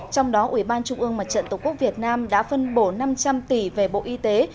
trong đó ủy ban trung ương mặt trận tổ quốc việt nam đã phân bổ năm trăm linh tỷ về bộ y tế